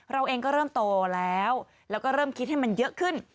เราเองก็เริ่มโตแล้วแล้วก็เริ่มคิดให้มันเยอะขึ้น